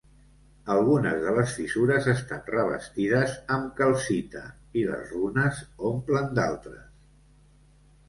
Algunes de les fissures estan revestides amb calcita i les runes omplen d'altres.